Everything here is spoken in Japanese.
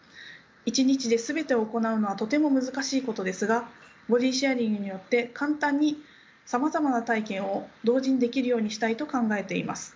１日で全てを行うのはとても難しいことですがボディシェアリングによって簡単にさまざまな体験を同時にできるようにしたいと考えています。